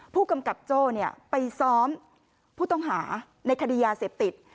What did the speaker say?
ผู้กำกับโจ้ไปซ้อมผู้ต้องหาในคดียาเสพติด